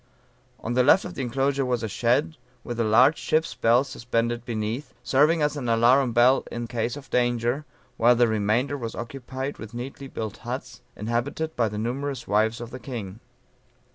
On the left of the enclosure was a shed, with a large ship's bell suspended beneath, serving as an alarum bell in case of danger, while the remainder was occupied with neatly built huts, inhabited by the numerous wives of the king.